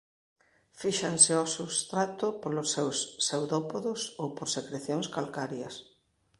Fíxanse ao substrato polos seus pseudópodos ou por secrecións calcarias.